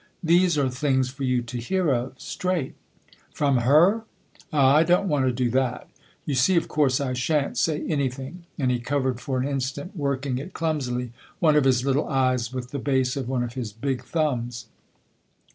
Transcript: " These are things for you to hear of straight." "From her? Ah, I don't want to do that! You see, of course, I shan't say anything." And he covered, for an instant, working it clumsily, one of his little eyes with the base of one of his big thumbs.